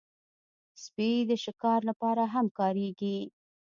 سپي د شکار لپاره هم کارېږي.